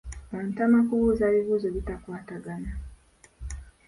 Ontama kubuuza bibuuzo bitakwatagana.